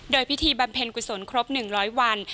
โดยพิธีบำเพ็ญกุศลครบ๑๐๐วัน